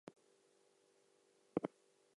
Ceuta and Melilla elected two seats each.